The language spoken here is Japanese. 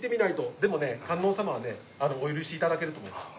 でもね観音様はねお許しいただけると思います。